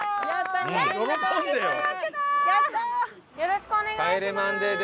よろしくお願いします。